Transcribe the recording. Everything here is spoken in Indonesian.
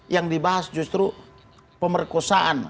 yang dibahas justru pemerkosaan